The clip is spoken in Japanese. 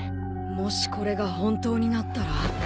もしこれが本当になったら。